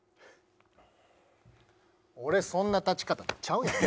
俺そんな立ち方ちゃうやん。